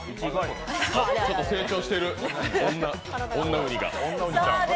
ちょっと成長してる、女うにが。